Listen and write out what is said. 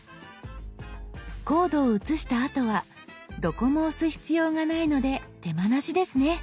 コードを写したあとはどこも押す必要がないので手間なしですね。